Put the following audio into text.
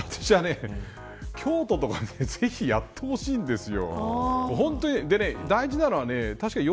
京都とかぜひやってほしいですよ。